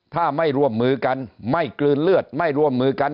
ถ้าไม่ร่วมมือกันไม่กลืนเลือดไม่ร่วมมือกัน